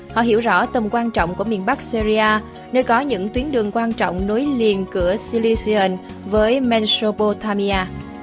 họ hiểu rõ tầm quan trọng của miền bắc syria nơi có những tuyến đường quan trọng nối liền cửa silesian với mesopotamia